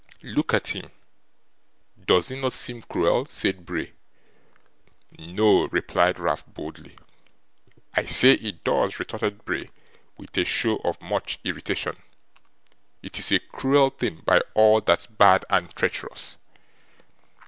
'Look at him. Does it not seem cruel?' said Bray. 'No!' replied Ralph, boldly. 'I say it does,' retorted Bray, with a show of much irritation. 'It is a cruel thing, by all that's bad and treacherous!